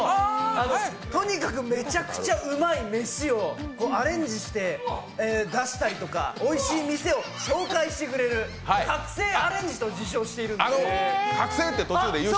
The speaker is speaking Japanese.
とにかく、めちゃくちゃうまい飯をアレンジして出したりとかおいしい店を紹介してくれる覚醒アレンジと自称してるんです。